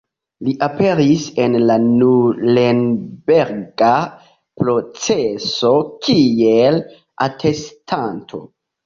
Li aperis en la Nurenberga proceso kiel atestanto.